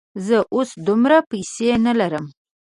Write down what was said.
زه اوس دومره پیسې نه لرم.